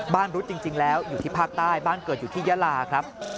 รุดจริงแล้วอยู่ที่ภาคใต้บ้านเกิดอยู่ที่ยาลาครับ